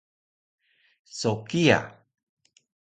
So kiya